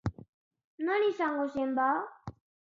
Non izango zen ba?